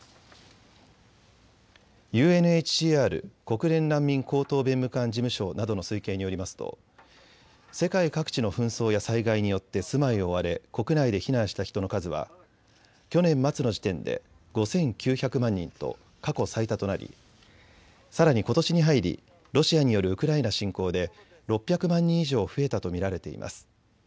ＵＮＨＣＲ・国連難民高等弁務官事務所などの推計によりますと世界各地の紛争や災害によって住まいを追われ国内で避難した人の数は去年末の時点で５９００万人と過去最多となりさらに、ことしに入りロシアによるウクライナ侵攻で６００万人以上増えたと見られています。